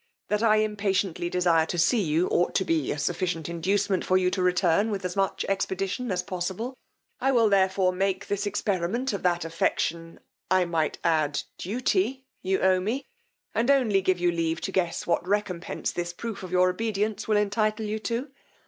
That I impatiently desire to see you, ought to be a sufficient inducement for you to return with as much expedition as possible: I will therefore make this experiment of that affection, I might add duty, you owe me, and only give you leave to guess what recompence this proof of your obedience will entitle you to.